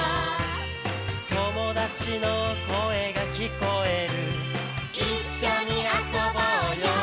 「友達の声が聞こえる」「一緒に遊ぼうよ」